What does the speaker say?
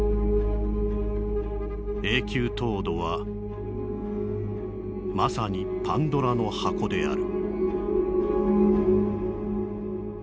「永久凍土はまさにパンドラの箱である」。